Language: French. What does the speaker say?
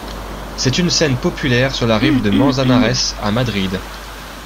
C'est une scène populaire sur la rive du Manzanares à Madrid.